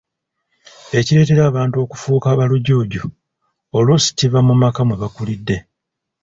Ekireetera abantu okufuuka ba Lujuuju, oluusi kiva mu maka mwebakulidde.